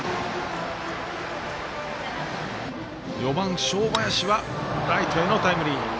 ４番、正林はライトへのタイムリー。